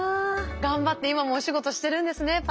頑張って今もお仕事してるんですね